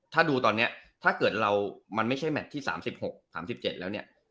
ถ้าดูตอนนี้ถ้าเกิดเรามันไม่ใช่แมทที่๓๖๓๗แล้วเนี่ย